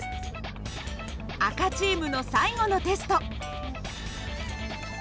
赤チームの最後のテスト。